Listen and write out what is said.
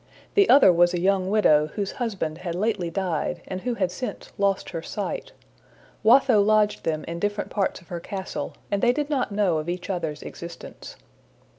The other was a young widow whose husband had lately died, and who had since lost her sight. Watho lodged them in different parts of her castle, and they did not know of each other's existence.